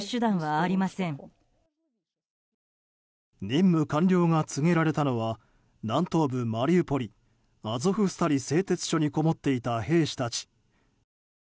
任務完了が告げられたのは南東部マリウポリアゾフスタリ製鉄所にこもっていた兵士たち。